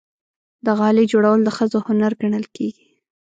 د غالۍ جوړول د ښځو هنر ګڼل کېږي.